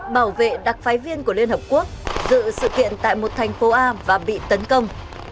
bảo vệ đặc phái viên của liên hợp quốc dự sự kiện tại một thành phố a và bị tấn công